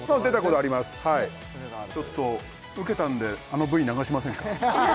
はいちょっとウケたんであのＶ流しませんか？